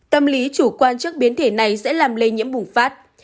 tâm lý chủ quan trước biến thể này sẽ làm lây nhiễm bùng phát